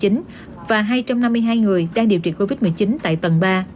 ngay trong năm mươi hai người đang điều trị covid một mươi chín tại tầng ba